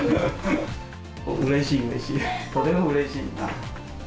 うれしい、うれしい、とてもうれしい。